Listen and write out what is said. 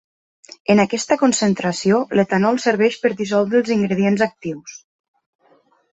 En aquesta concentració, l'etanol serveix per dissoldre els ingredients actius.